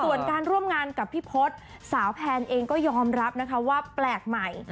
ส่วนการร่วมงานกับพี่พศสาวแพนเองก็ยอมรับนะคะว่าแปลกใหม่